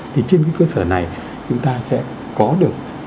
thì trên cái cơ sở này chúng ta sẽ có được